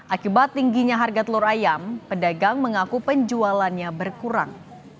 akibat tingginya harga telur ayam pedagang mengaku penjualannya berkurang